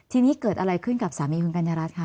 ทีนี้เกิดอะไรขึ้นกับสามีคุณกัญญารัฐคะ